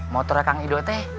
motornya kang ido teh